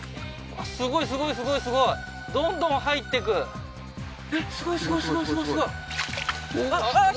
すごいすごいすごいすごいどんどん入っていくえっすごいすごいすごいすごいすごいあっああー